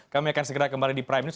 kami akan segera kembali di prime news